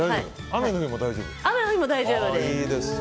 雨の日も大丈夫です。